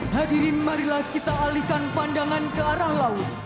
hadirin marilah kita alihkan pandangan ke arah laut